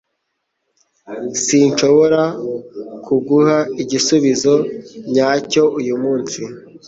S Sinshobora kuguha igisubizo nyacyo uyu munsi